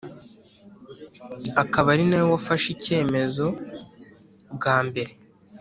akaba ari nawe wafashe icyemzo bwa mbere